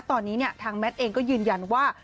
ตอนนี้ทางแมทเองก็ยืนยันว่า